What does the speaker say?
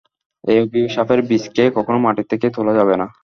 এই অভিশাপের বীজকে কখনোই মাটি থেকে তোলা যাবে না!